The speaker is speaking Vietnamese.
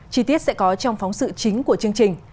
chi tiết sẽ có trong phóng sự chính của chương trình